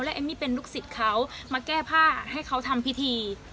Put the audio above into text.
เอมมี่เป็นลูกศิษย์เขามาแก้ผ้าให้เขาทำพิธี